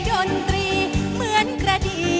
ก็จะมีความสุขมากกว่าทุกคนค่ะ